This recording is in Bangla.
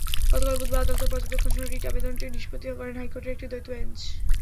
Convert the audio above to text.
গতকাল বুধবার আদালতের পর্যবেক্ষণসহ রিট আবেদনটি নিষ্পত্তি করেন হাইকোর্টের একটি দ্বৈত বেঞ্চ।